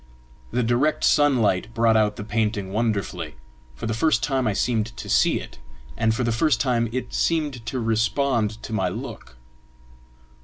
The direct sunlight brought out the painting wonderfully; for the first time I seemed to see it, and for the first time it seemed to respond to my look.